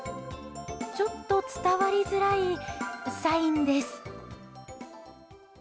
ちょっと伝わりづらいサインです。